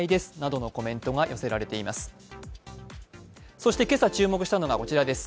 そして今朝注目したのがこちらです。